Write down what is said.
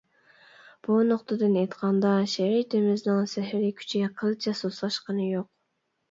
بۇ نۇقتىدىن ئېيتقاندا، شېئىرىيىتىمىزنىڭ سېھرىي كۈچى قىلچە سۇسلاشقىنى يوق.